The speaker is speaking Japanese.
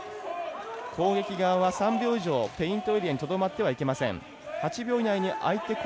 攻撃は３秒以上ペイントエリアにとどまってはいけません。